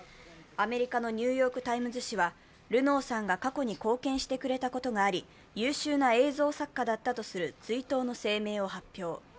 アメリカの「ニューヨーク・タイムズ」紙はルノーさんが過去に貢献してくれたことがあり優秀な映像作家だったとする追悼の声明を発表。